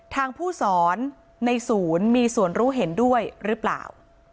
ทางผู้สอนในศูนย์มีส่วนรู้เห็นด้วยหรือเปล่า